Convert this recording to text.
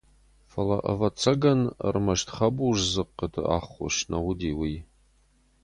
Фӕлӕ, ӕвӕццӕгӕн, ӕрмӕст хӕбуздзыхъхъыты аххос нӕ уыди уый.